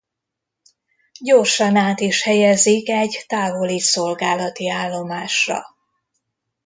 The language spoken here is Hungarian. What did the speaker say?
Gyorsan át is helyezik egy távoli szolgálati állomásra.